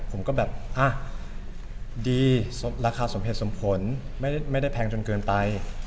ผมก็แบบดีราคาสมเหตุสมผลไม่ได้แพงจนเกินไป